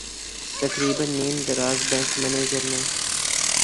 تقریبا نیم دراز بینک منیجر نے